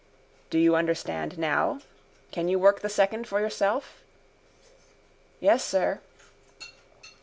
—Do you understand now? Can you work the second for yourself? —Yes, sir.